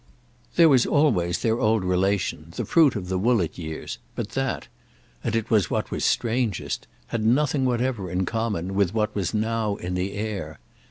There was always their old relation, the fruit of the Woollett years; but that—and it was what was strangest—had nothing whatever in common with what was now in the air.